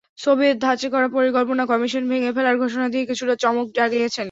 Soviet ধাঁচে করা পরিকল্পনা কমিশন ভেঙে ফেলার ঘোষণা দিয়ে কিছুটা চমক জাগিয়েছেন।